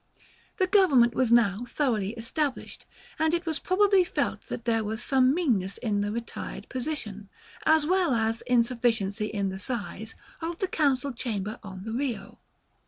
The government was now thoroughly established, and it was probably felt that there was some meanness in the retired position, as well as insufficiency in the size, of the Council Chamber on the Rio.